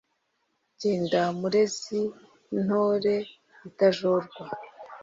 Jyenda Murezi ntore itajorwa!